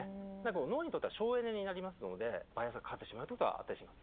脳にとっては省エネになりますのでバイアスがかかってしまうということはあったりします。